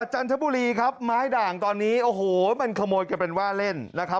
จันทบุรีครับไม้ด่างตอนนี้โอ้โหมันขโมยกันเป็นว่าเล่นนะครับ